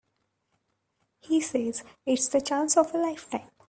He says it's the chance of a lifetime.